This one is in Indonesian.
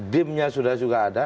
dimnya sudah ada